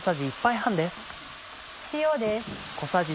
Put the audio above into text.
塩です。